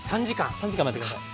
３時間待って下さい。